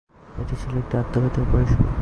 এটি ছিল একটি আত্মঘাতী অপারেশন।